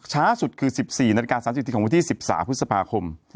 ช้าสุดคือ๑๔นาฬิกา๓๐นาทีของวันที่๑๓พฤษภาคม